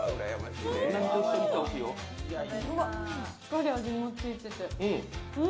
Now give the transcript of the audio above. しっかり味もついてて。